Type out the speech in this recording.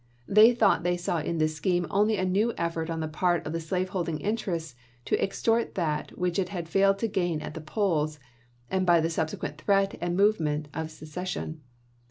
They thought they saw in this scheme only a new effort on the part of the slave holding interest to extort that which it had failed to gain at the polls, and by the subse quent threat and movement of secession.